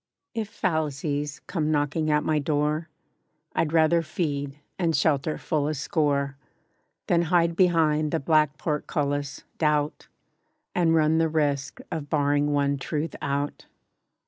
IF fallacies, come knocking at my door, I'd rather feed, and shelter full a score, Than hide behind the black portcullis, doubt, And run the risk of barring one Truth out.